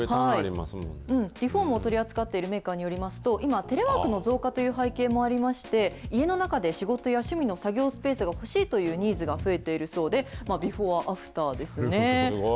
リフォームを取り扱っているメーカーによりますと、今、テレワークの増加という背景もありまして、家の中で仕事や趣味の作業スペースが欲しいというニーズが増えているそうで、すごい。